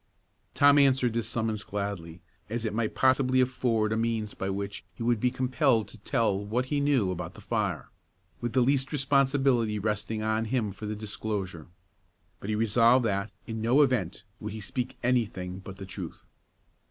Tom answered this summons gladly, as it might possibly afford a means by which he would be compelled to tell what he knew about the fire, with the least responsibility resting on him for the disclosure. But he resolved that, in no event, would he speak any thing but the truth.